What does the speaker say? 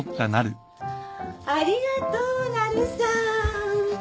ありがとうなるさん。